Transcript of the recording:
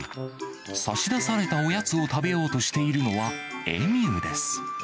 差し出されたおやつを食べようとしているのは、エミューです。